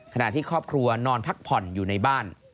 ที่ครอบครัวนอนพักผ่อนอยู่ในบ้าน